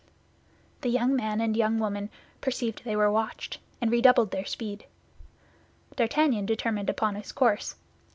The young man and young woman perceived they were watched, and redoubled their speed. D'Artagnan determined upon his course.